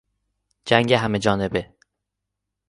جنگ همه جانبه